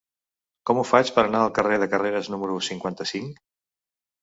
Com ho faig per anar al carrer de Carreras número cinquanta-cinc?